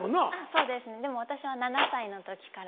そうですねでも私は７歳の時から。